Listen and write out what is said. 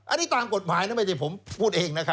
อันนี้ตามกฎหมายนะไม่ได้ผมพูดเองนะครับ